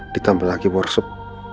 ditambah lagi warsup